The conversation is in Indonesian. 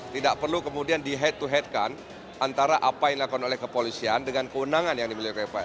tidak perlu kemudian di head to head kan antara apa yang dilakukan oleh kepolisian dengan kewenangan yang dimiliki